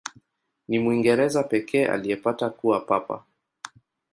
Ni Mwingereza pekee aliyepata kuwa Papa.